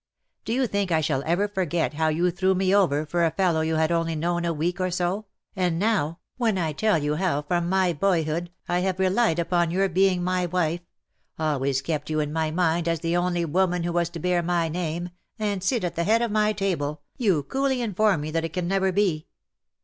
Do you think I shall ever forget how you threw me over for a fellow you had only known a week or so — and now, when I tell you how, from my boyhood, I have relied upon your being my wife — always kept you in my mind as the one only woman who was to bear my name, and sit at the head of my table, you coolly inform me that it can never be?